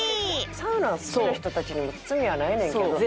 サウナ好きな人たちに罪はないねんけど。